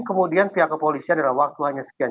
kemudian pihak kepolisian dalam waktu hanya sekian